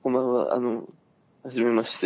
あのはじめまして。